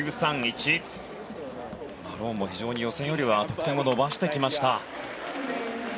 マローンも非常に予選よりは得点を伸ばしてきました。